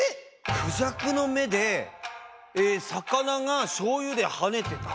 クジャクのめでさかながしょうゆではねてた？